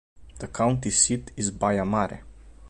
The county seat is Baia Mare.